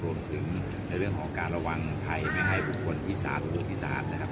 รวมถึงในเรื่องของการระวังใครไม่ให้บุคคลพี่สาธารณ์หรือบุคพี่สาธารณ์นะครับ